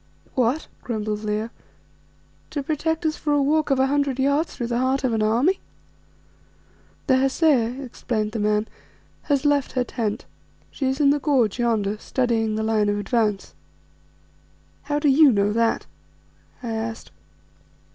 "What," grumbled Leo, "to protect us for a walk of a hundred yards through the heart of an army?" "The Hesea," explained the man, "has left her tent; she is in the gorge yonder, studying the line of advance." "How do you know that?" I asked.